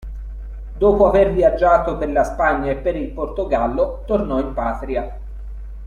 Dopo aver viaggiato per la Spagna e per il Portogallo, tornò in patria.